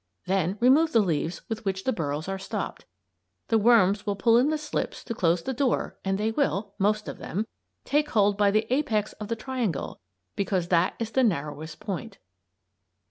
Then remove the leaves with which the burrows are stopped. The worms will pull in the slips to close the door and they will most of them take hold by the apex of the triangle because that is the narrowest point.